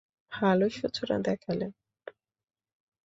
ভালো সূচনা দেখালে।